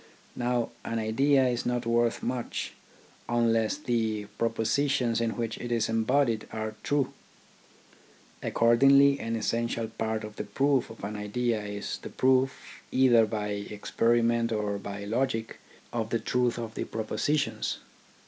Now an idea is not worth much unless the propositions in which it is embodied are true. Accordingly an essential part of the proof of an idea is the proof, either by experiment or by logic, of the truth of the propositions.